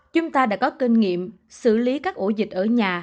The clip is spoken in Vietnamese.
chúng ta đã có kinh nghiệm xử lý các ổ dịch ở nhà